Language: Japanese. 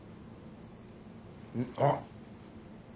あっ。